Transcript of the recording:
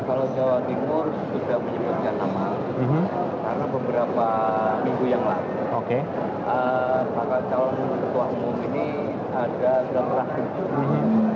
kalau jawa timur sudah menyebutkan nama